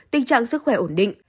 tình trạng sức khỏe ổn định